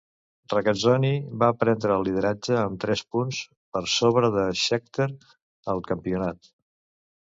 Regazzoni va prendre el lideratge amb tres punts per sobre de Scheckter al campionat.